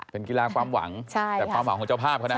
เป็นกีฬาความหวังแต่ความหวังของเจ้าภาพเขานะ